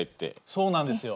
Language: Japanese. そうなんですよ。